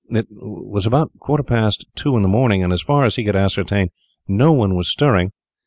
It was about a quarter past two o'clock in the morning, and, as far as he could ascertain, no one was stirring.